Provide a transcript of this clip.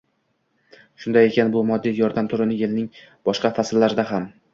shunday ekan, bu moddiy yordam turini yilning boshqa fasllarida ham